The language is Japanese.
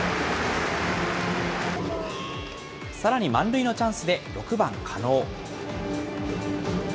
さらに満塁のチャンスで６番狩野。